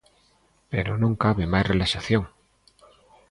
Pero non cabe máis relaxación.